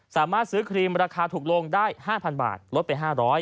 สามารถซื้อครีมราคาถูกลงได้๕๐๐บาทลดไป๕๐๐